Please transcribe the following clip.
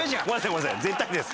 ごめんなさい絶対です。